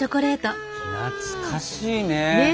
懐かしいね。ね！